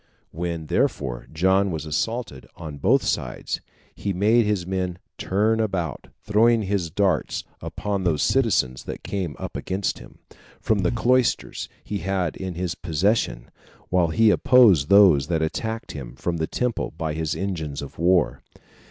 When, therefore, John was assaulted on both sides, he made his men turn about, throwing his darts upon those citizens that came up against him, from the cloisters he had in his possession, while he opposed those that attacked him from the temple by his engines of war.